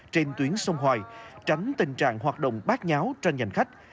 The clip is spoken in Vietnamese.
trên tuyến sông hoài tránh tình trạng hoạt động bác nháo cho nhành khách